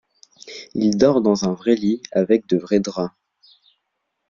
Il dort dans un vrai lit avec de vrais draps.